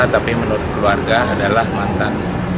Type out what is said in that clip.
tapi menurut keluarga adalah mantan